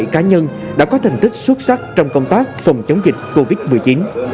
hai trăm bảy mươi bảy cá nhân đã có thành tích xuất sắc trong công tác phòng chống dịch covid một mươi chín